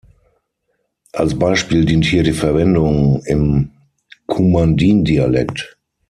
Als Beispiel dient hier die Verwendung im Qumandin-Dialekt.